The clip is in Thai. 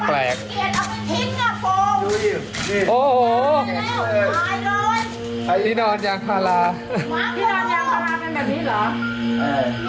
ที่นอนอย่างพาราที่นอนอย่างพาราเป็นแบบนี้เหรอ